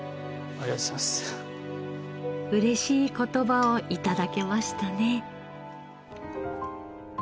嬉しい言葉を頂けましたね。